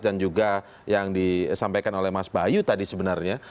juga yang disampaikan oleh mas bayu tadi sebenarnya